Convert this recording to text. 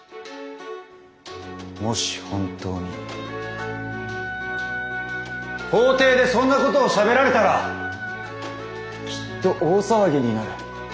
もし本当に法廷でそんなことをしゃべられたらきっと大騒ぎになる。